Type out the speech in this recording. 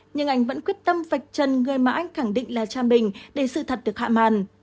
nhưng anh vẫn quyết tâm vạch chân người mà anh khẳng định là cha mình để sự thật được hạ màn